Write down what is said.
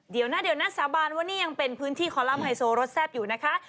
เดี๋ยวนะเดี๋ยวนัดสาบานว่านี่ยังเป็นพื้นที่คอลัมป์ไฮโซรสแซ่บอยู่นะคะ